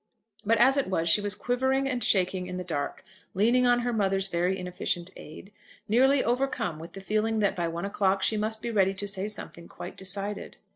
But as it was, she was quivering and shaking in the dark, leaning on her mother's very inefficient aid, nearly overcome with the feeling that by one o'clock she must be ready to say something quite decided.